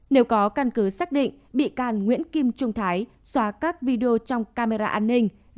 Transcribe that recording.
nếu có căn cứ xác định bị can nguyễn kim trung thái xóa các video trong camera an ninh